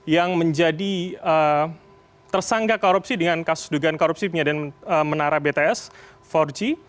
yang menjadi tersangka korupsi dengan kasus dugaan korupsi penyediaan menara bts empat g